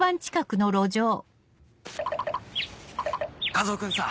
和男君さ。